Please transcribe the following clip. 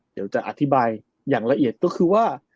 เดี๋ยวจะอธิบายอย่างละเอียดก็คือว่า